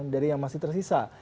dari yang masih tersisa